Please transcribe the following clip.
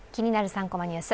３コマニュース」